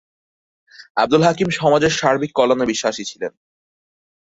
আবদুল হাকিম সমাজের সার্বিক কল্যাণে বিশ্বাসী ছিলেন।